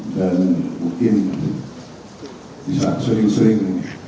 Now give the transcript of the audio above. dan mungkin bisa sering sering